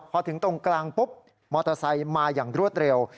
พอถึงตรงกลางปุ๊บมอเตอร์ไซค์มาอย่างรวดเร็ว